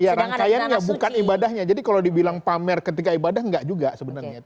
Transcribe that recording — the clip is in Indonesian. ya rangkaiannya bukan ibadahnya jadi kalau dibilang pamer ketika ibadah enggak juga sebenarnya